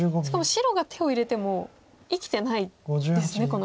しかも白が手を入れても生きてないですね